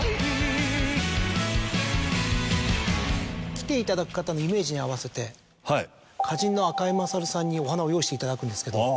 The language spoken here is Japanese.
来ていただく方のイメージに合わせて花人の赤井勝さんにお花を用意していただくんですけど。